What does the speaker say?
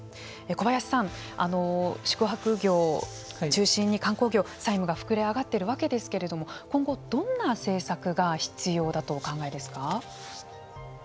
小林さん、宿泊業を中心に観光業、債務が膨れ上がっているわけですけれども今後どんな政策が必要だとお考えですか。